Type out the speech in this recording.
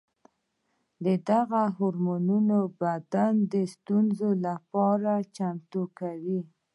دغه هورمونونه بدن د ستونزو لپاره چمتو کوي.